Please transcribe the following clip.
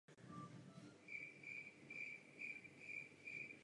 V areálu hřbitova se nachází Turistické informační centrum Židovské obce Brno.